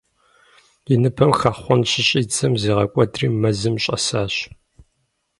И ныбэм хэхъуэн щыщӀидзэм, зигъэкӀуэдри, мэзым щӀэсащ.